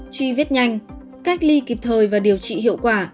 truy vết nhanh cách ly kịp thời và điều trị hiệu quả